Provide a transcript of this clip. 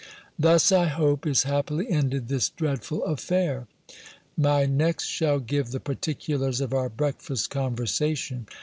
"_ Thus, I hope, is happily ended this dreadful affair. My next shall give the particulars of our breakfast conversation.